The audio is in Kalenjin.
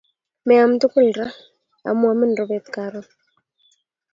Meaam tugul raa, amu amin rubet karoon